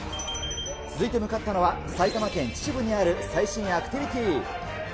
続いて向かったのは、埼玉県秩父にある最新アクティビティー。